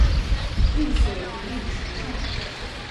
绿色引领时尚。